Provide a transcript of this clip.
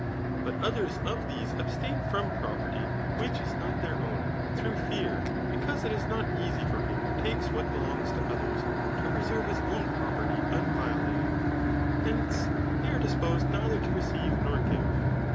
But others of these abstain from property whkh is not thdr own, through fear, because it is not ea^ for him who takes what belongs to others, to preserve his own property unviolated. Hence, they are d^xseed nei ther to receive nor give.